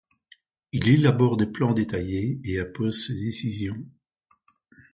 Il élabore des plans détaillés et impose ses décisions.